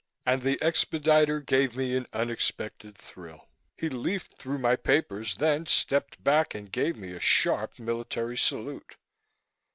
And the expediter gave me an unexpected thrill. He leafed through my papers, then stepped back and gave me a sharp military salute.